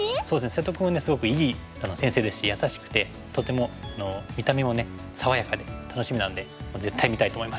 瀬戸君はすごくいい先生ですし優しくてとても見た目も爽やかで楽しみなんで絶対見たいと思います。